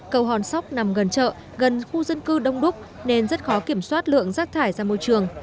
cầu hòn sóc nằm gần chợ gần khu dân cư đông đúc nên rất khó kiểm soát lượng rác thải ra môi trường